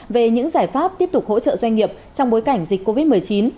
về những giải pháp tiếp tục hỗ trợ doanh nghiệp trong bối cảnh dịch covid một mươi chín